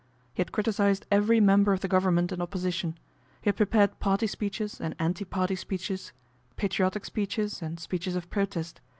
He had criticised every member of the Government and Opposition He had prepared party speeches and anti party speeches, patriotic speeches and speeches of protest.